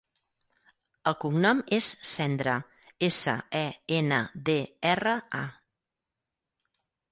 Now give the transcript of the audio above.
El cognom és Sendra: essa, e, ena, de, erra, a.